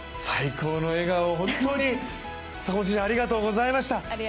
最高の笑顔、本当に坂本選手ありがとうございました！